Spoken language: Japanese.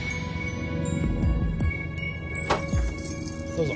どうぞ。